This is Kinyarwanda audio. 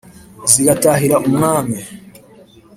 zigatahira umwami :